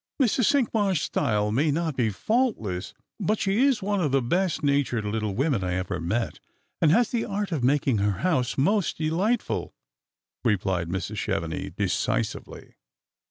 " Mrs. Cinqmars' style may not be faultless, but she is one of the best natured little women I ever met, and has the art of making her house most delightful," replied Mrs. Chevenix de cisively.